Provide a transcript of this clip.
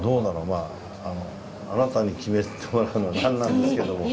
まああなたに決めてもらうのはなんなんですけども。